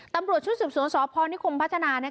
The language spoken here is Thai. ตำรวจชุดศูนย์ศูนย์ศอพอร์นิคมพัฒนา